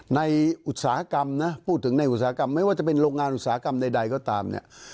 อุตสาหกรรมนะพูดถึงในอุตสาหกรรมไม่ว่าจะเป็นโรงงานอุตสาหกรรมใดก็ตามเนี่ย